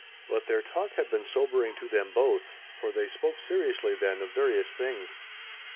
But their talk had been sobering to them both, for they spoke seriously then of various things.